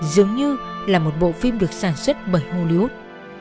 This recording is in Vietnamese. dường như là một bộ phim được sản xuất bởi hollywood